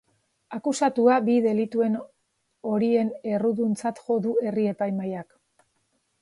Akusatua bi delituen horien erruduntzat jo du herri-epaimahaiak.